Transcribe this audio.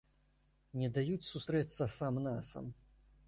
Не даюць сустрэцца сам-насам.